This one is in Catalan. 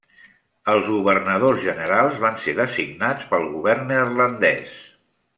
Els governadors generals van ser designats pel Govern neerlandès.